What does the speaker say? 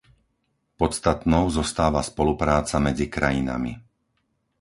Podstatnou zostáva spolupráca medzi krajinami.